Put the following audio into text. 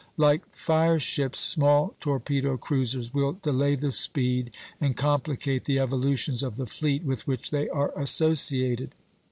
Like fire ships, small torpedo cruisers will delay the speed and complicate the evolutions of the fleet with which they are associated.